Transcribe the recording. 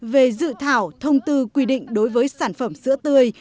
về dự thảo thông tư quy định đối với sản phẩm sữa tươi